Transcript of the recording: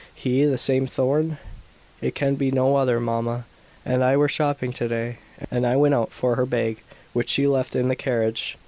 "He! The same Thorn?" "It can be no other. Mamma and I were shopping to day, and I went out for her bag, which she left in the carriage.